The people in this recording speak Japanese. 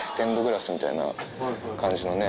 みたいな感じのね。